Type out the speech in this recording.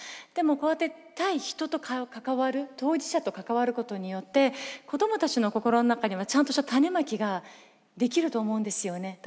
でもこうやって対人と関わる当事者と関わることによって子どもたちの心の中にはちゃんとした種まきができると思うんですよね。